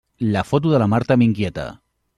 La foto de la Marta m'inquieta.